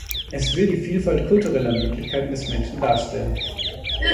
Es will die Vielfalt kultureller Möglichkeiten des Menschen darstellen.